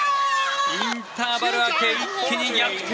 インターバル明け一気に逆転。